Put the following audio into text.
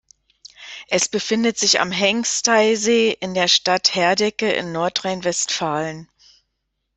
Es befindet sich am Hengsteysee in der Stadt Herdecke in Nordrhein-Westfalen.